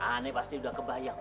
aneh pasti udah kebayang